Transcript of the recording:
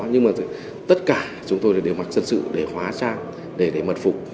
nhưng mà tất cả chúng tôi đều mặc dân sự để hóa trang để mật phục